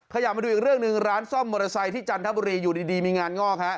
ขยับมาดูอีกเรื่องหนึ่งร้านซ่อมมอเตอร์ไซค์ที่จันทบุรีอยู่ดีมีงานงอกฮะ